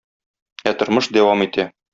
Ә тормыш дәвам итә.